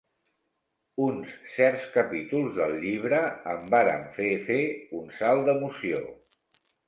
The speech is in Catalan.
Uns certs capítols del llibre em varen fer fer un salt d'emoció.